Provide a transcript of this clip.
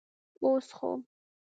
اوس خو.